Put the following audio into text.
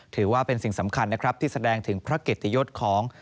ถือว่าเป็นสิ่งสำคัญนะครับที่แสดงถึงพระเกียรติยศของ